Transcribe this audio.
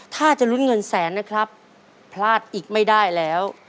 ถ้าจะลุ้นเงินแสนนะครับพลาดอีกไม่ได้แล้ว